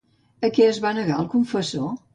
A què es va negar el confessor?